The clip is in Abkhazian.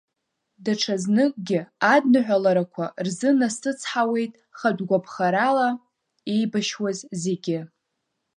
Даҽазныкгьы адныҳәаларақәа рзынасыцҳауеит хатәгәаԥгахарала еиабшьуаз зегьы.